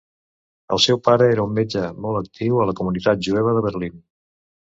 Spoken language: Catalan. El seu pare era un metge molt actiu a la comunitat jueva de Berlín.